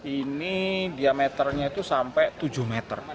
ini diameternya itu sampai tujuh meter